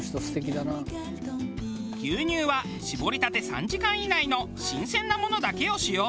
牛乳は搾りたて３時間以内の新鮮なものだけを使用。